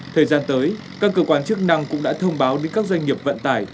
thời gian tới các cơ quan chức năng cũng đã thông báo đến các doanh nghiệp vận tải